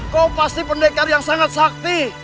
kau pasti pendekar yang sangat sakti